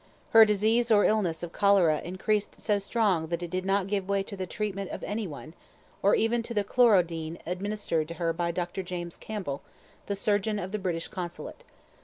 Her disease or illness of cholera increased so strong that it did not give way to the treatment of any one, or even to the Chlorodine administered to her by Doctor James Campbell the Surgeon of the British Consulate.